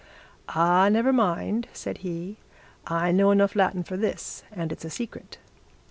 'Ah, never mind,' said he. 'I know enough Latin for this and it's a secret.